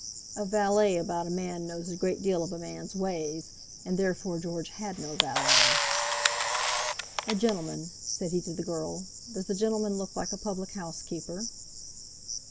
A valet about a man knows a great deal of a man's ways, and therefore George had no valet. "A gentleman!" said he to the girl. "Does the gentleman look like a public house keeper?"